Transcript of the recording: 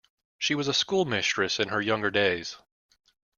She was a schoolmistress in her younger days.